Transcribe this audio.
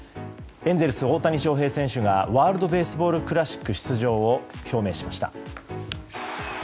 エンゼルスの大谷翔平選手がワールド・ベースボール・クラシック出場を表明しました。